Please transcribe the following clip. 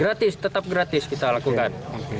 gratis tetap gratis kita lakukan